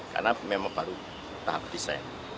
karena memang baru tahap desain